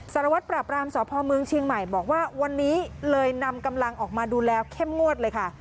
สารวัตรปราบรามสพเมืองเชียงใหม่บอกว่าวันนี้เลยนำกำลังออกมาดูแลเข้มงวดเลยค่ะ